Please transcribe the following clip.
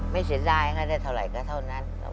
ไม่เสียดายแต่เท่าไรก็เท่านั้น